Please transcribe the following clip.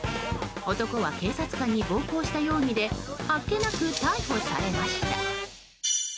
男は警察官に暴行した容疑であっけなく逮捕されました。